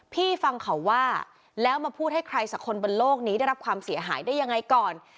พี่ฟังเขาว่าแล้วมาพูดให้ใครสักคนบนโลกนี้ได้รับความเสียหายได้ยังไงก่อน